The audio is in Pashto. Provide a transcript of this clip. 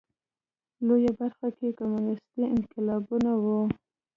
لویه برخه یې کمونېستي انقلابیون وو.